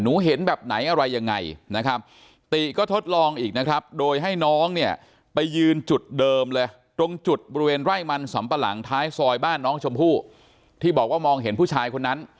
เห็นแบบไหนอะไรยังไงนะครับติก็ทดลองอีกนะครับโดยให้น้องเนี่ยไปยืนจุดเดิมเลยตรงจุดบริเวณไร่มันสำปะหลังท้ายซอยบ้านน้องชมพู่ที่บอกว่ามองเห็นผู้ชายคนนั้น